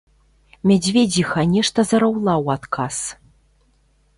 Мядзведзіха нешта зараўла ў адказ.